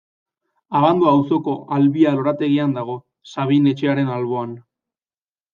Abando auzoko Albia lorategian dago, Sabin Etxearen alboan.